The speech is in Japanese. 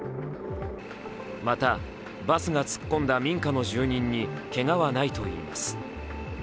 また、バスが突っ込んだ民家の住人にけがはないといいます。